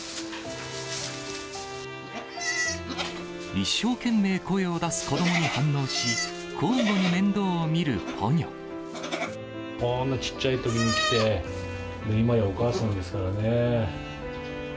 一生懸命声を出す子どもに反応し、こんなちっちゃいときに来て、今やお母さんですからね。